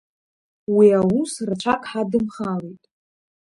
Уи аус рацәак ҳадымхалеит.